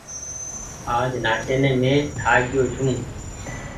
آج نآچين مين ٿآڪ گيو ڇون۔